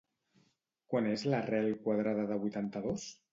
Quant és l'arrel quadrada de vuitanta-dos?